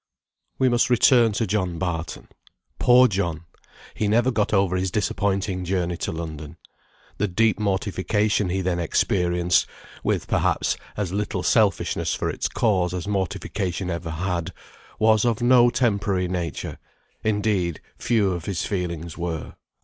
We must return to John Barton. Poor John! He never got over his disappointing journey to London. The deep mortification he then experienced (with, perhaps, as little selfishness for its cause as mortification ever had) was of no temporary nature; indeed, few of his feelings were.